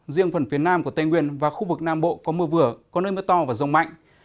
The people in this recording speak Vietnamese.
riêng phần phía nam của tây nguyên và khu vực nam bộ có mưa vừa có nơi mưa to và rông mạnh